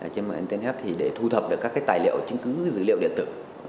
trên mạng internet để thu thập được các tài liệu chứng cứ dữ liệu điện tử